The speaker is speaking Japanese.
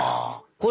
これ。